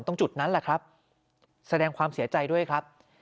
ตรงจุดนั้นแหละครับแสดงความเสียใจด้วยครับ